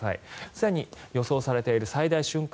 すでに予想されている最大瞬間